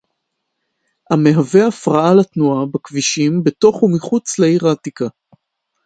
המהווה הפרעה לתנועה בכבישים בתוך ומחוץ לעיר העתיקה